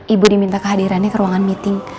ibu diminta kehadirannya ke ruangan meeting